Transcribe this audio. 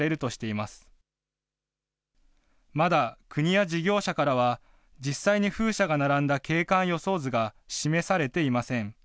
まだ国や事業者からは、実際に風車が並んだ景観予想図が示されていません。